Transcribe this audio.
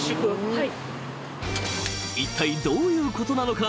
［いったいどういうことなのか？